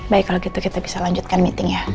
baik kalau gitu kita bisa lanjutkan meetingnya